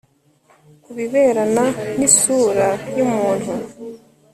ku birebana n isura y umuntu